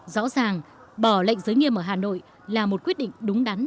rõ ràng bỏ lệnh giới nghiêm ở hà nội là một quyết định đúng đắn